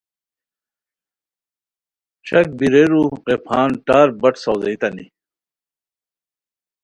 شک بیرئیرو غیپھان ٹاربرٹ ساؤزیتانی